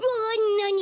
なに？